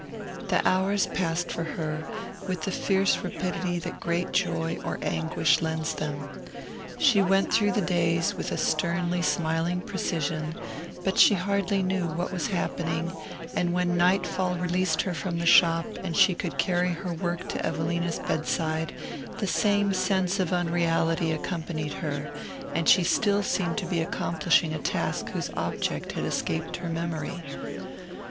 The hours passed for her with the fierce rapidity that great joy or anguish lends them. She went through the days with a sternly smiling precision, but she hardly knew what was happening, and when night fall released her from the shop, and she could carry her work to Evelina's bedside, the same sense of unreality accompanied her, and she still seemed to be accomplishing a task whose object had escaped her memory.